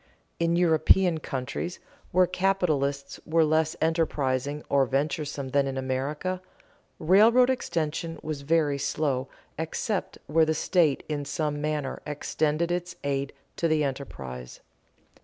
In European countries where capitalists were less enterprising or venturesome than in America, railroad extension was very slow except where the state in some manner extended its aid to the enterprise.